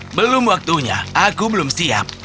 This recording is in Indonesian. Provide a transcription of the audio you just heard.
belum waktunya aku belum siap